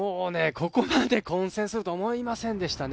ここまで混戦するとは思いませんでしたね。